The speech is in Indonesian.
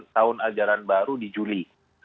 tahun ajaran baru di juli dua ribu dua puluh